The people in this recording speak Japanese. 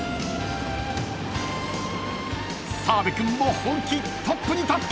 ［澤部君も本気トップに立った］